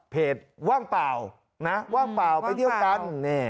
ว่างเปล่านะว่างเปล่าไปเที่ยวกัน